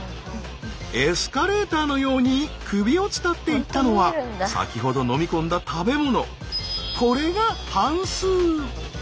エスカレーターのように首を伝っていったのは先ほど飲み込んだ食べ物。